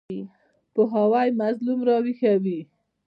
پوهاوی مظلوم راویښوي.